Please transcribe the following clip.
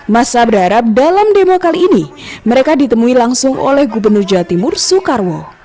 masa berharap dalam demo kali ini mereka ditemui langsung oleh gubernur jawa timur soekarwo